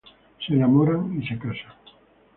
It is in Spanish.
Se enamoran y se casan.